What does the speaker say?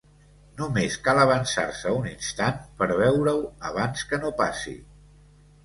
Només cal avançar-se un instant per veure-ho abans que no passi.